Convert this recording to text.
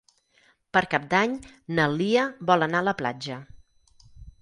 Per Cap d'Any na Lia vol anar a la platja.